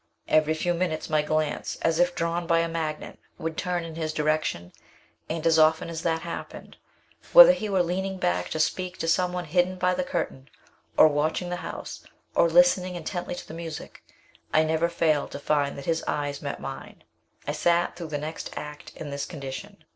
Every few minutes my glance, as if drawn by a magnet, would turn in his direction, and as often as that happened, whether he were leaning back to speak to some one hidden by the curtain, or watching the house, or listening intently to the music, I never failed to find that his eyes met mine. I sat through the next act in this condition.